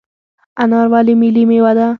انار ولې ملي میوه ده؟